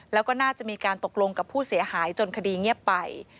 แล้วก็น่าจะมีการตกลงกับผู้เสียหายจนคดีเงียบไป